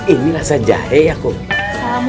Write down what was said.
ini rasa jarher ya kumbu